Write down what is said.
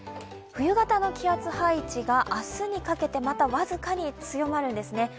冬型の気圧配置が明日にかけて僅かに強まるんですね。